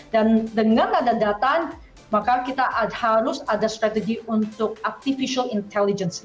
dan dengan ada data maka kita harus ada strategi untuk artificial intelligence